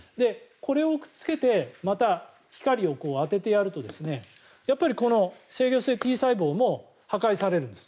これをくっつけてまた光を当ててやるとやっぱり制御性Ｔ細胞も破壊されるんです。